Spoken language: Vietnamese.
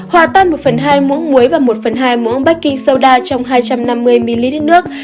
hòa tắt một phần hai muỗng muối và một phần hai muỗng baking soda trong hai trăm năm mươi ml nước